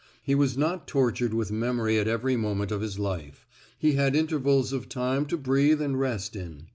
He was not tortured with memory at every moment of his life; he had intervals of time to breathe and rest in.